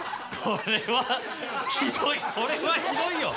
これはひどいよ！